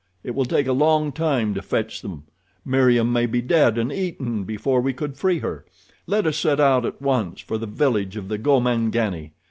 It will take a long time to fetch them. Meriem may be dead and eaten before we could free her. Let us set out at once for the village of the Gomangani.